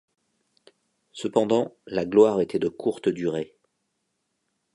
Cependant, la gloire était de courte durée.